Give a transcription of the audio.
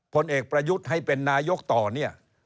ผลเอกประยุทธ์ให้เป็นนายกต่อเนี่ย